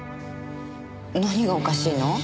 何がおかしいの？